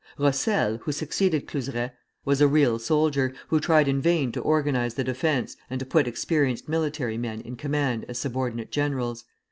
Rossel, who succeeded Cluseret, was a real soldier, who tried in vain to organize the defence and to put experienced military men in command as subordinate generals.